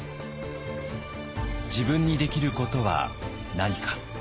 自分にできることは何か。